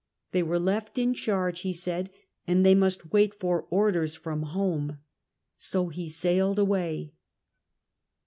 They were left in charge, he said, and they must Avait for orders from home. So he sailed away.